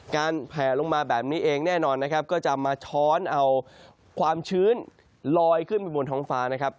แผลลงมาแบบนี้เองแน่นอนนะครับก็จะมาช้อนเอาความชื้นลอยขึ้นไปบนท้องฟ้านะครับ